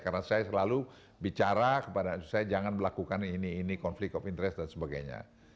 karena saya selalu bicara kepada anak cucu saya jangan melakukan ini ini konflik of interest dan sebagainya